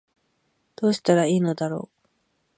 どうしたら良いのだろう